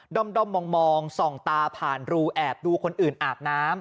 ด้อมมองส่องตาผ่านรูแอบดูคนอื่นอาบน้ำ